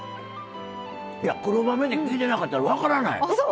黒豆って聞いてなかったら分からない！